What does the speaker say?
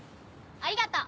ありがとう！